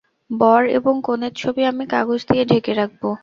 বর এবং কনের ছবি আমি কাগজ দিয়ে ঢেকে রাখব।